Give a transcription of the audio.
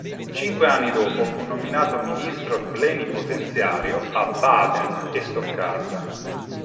Cinque anni dopo fu nominato ministro plenipotenziario a Baden e Stoccarda.